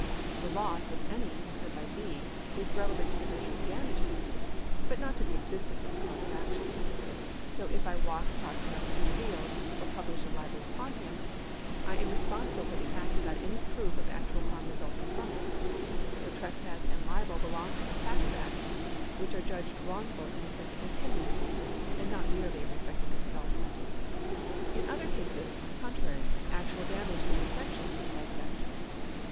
The loss, if any, incurred by B. is relevant to the measure of damages, but not to the existence of a cause of action. So if 1 walk across another man's field, or publish a libel upon him, I am 1 See Salmond on Torts, p. 165, 3rd ed. 328 LIABILITY [§ 129 responsible for the act without any proof of actual harm result ing from it. For trespass and libel belong to the class of acts which are judged wrongful in respect of their tendencies, and not merely in respect of their results. In other cases, on the contrary, actual damage is essential to the cause of action.